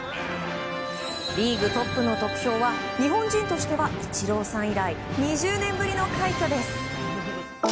リーグトップの得票は日本人としてはイチローさん以来２０年ぶりの快挙です。